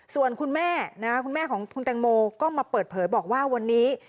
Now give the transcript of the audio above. ส่วนคุณแม่คุณแม่ของคุณแตงโมก็มาเปิดเผยบอกว่าวันนี้